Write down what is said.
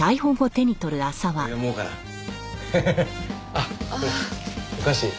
あっこれお菓子。